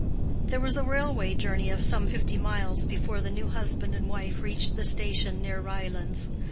There was a railway journey of some fifty miles before the new husband and wife reached the station near Ryelands.